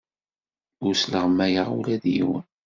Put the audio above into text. Ur sleɣmayeɣ ula d yiwen.